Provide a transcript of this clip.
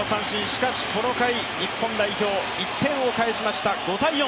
しかし、この回日本代表、１点を返しました、５−４。